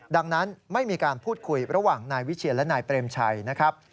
ดังนั้นไม่มีการพูดคุยระหว่างนายวิเชียรและนายเปรมชัยนะครับ